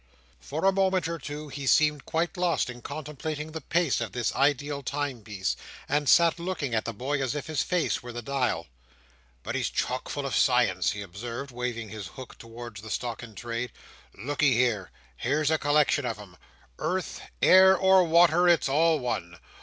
For a moment or two he seemed quite lost in contemplating the pace of this ideal timepiece, and sat looking at the boy as if his face were the dial. "But he's chock full of science," he observed, waving his hook towards the stock in trade. "Look'ye here! Here's a collection of 'em. Earth, air, or water. It's all one.